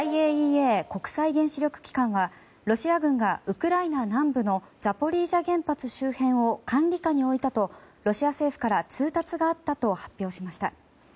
ＩＡＥＡ・国際原子力機関はロシア軍がウクライナ南部のザポリージャ原発周辺を管理下に置いたとロシア政府から通達があったと発表しました。